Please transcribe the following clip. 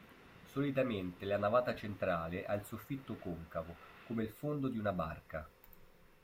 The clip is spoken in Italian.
Solitamente la navata centrale ha il soffitto concavo, come il fondo di una barca.